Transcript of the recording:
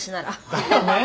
だよね？